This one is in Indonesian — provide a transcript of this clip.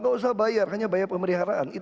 tidak usah bayar hanya bayar pemeriharaan